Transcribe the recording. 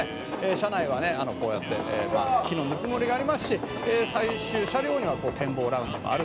「車内はねこうやって木のぬくもりがありますし最終車両には展望ラウンジもあるという事なんですね」